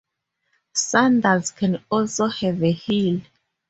Sandals can also have a heel.